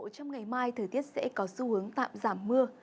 trong ngày mai thời tiết sẽ có xu hướng tạm giảm mưa